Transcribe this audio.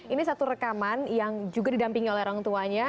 ini satu rekaman yang juga didampingi oleh orang tuanya